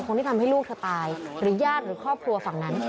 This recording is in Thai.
คนที่ทำให้ลูกเธอตายหรือญาติหรือครอบครัวฝั่งนั้น